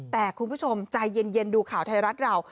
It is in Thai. แต่คุณผู้ชมใจเย็นดูข่าวไทยรัฐเรา